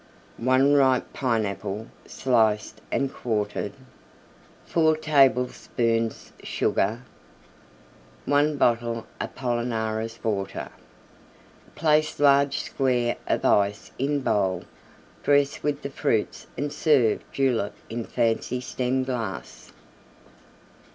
1 ripe Pineapple, sliced and quartered. 4 tablespoonfuls Sugar. 1 bottle Apollinaris Water. Place large square of Ice in bowl; dress with the Fruits and serve Julep in fancy Stem glass.